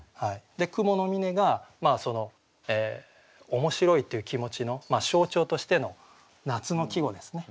「雲の峰」がその面白いという気持ちの象徴としての夏の季語ですね。